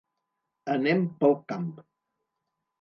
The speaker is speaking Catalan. Anem pel camp.